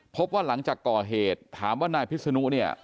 พบว่าหลังจากก่อเหตุถามว่านายพิศนุเนี่ย